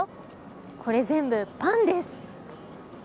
これ、全部パンです。